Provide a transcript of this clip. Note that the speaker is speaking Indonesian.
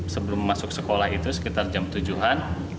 sebelum masuk sekolah itu sekitar jam tujuhan